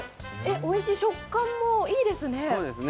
おいしい、食感もいいですね。